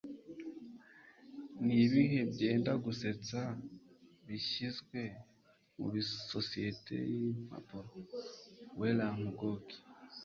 Nibihe Byendagusetsa Bishyizwe Mubisosiyete Yimpapuro "Wernham Hogg"